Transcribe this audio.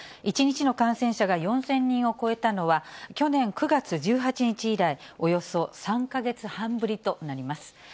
１日の感染者が４０００人を超えたのは、去年９月１８日以来、およそ３か月半ぶりとなります。